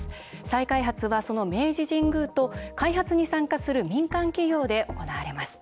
再開発は、その明治神宮と開発に参加する民間企業で行われます。